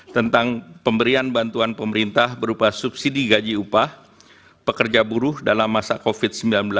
tentang pemberian bantuan pemerintah berupa subsidi gaji upah pekerja buruh dalam masa covid sembilan belas